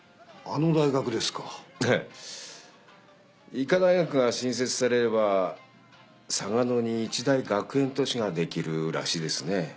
医科大学が新設されれば嵯峨野に一大学園都市ができるらしいですね。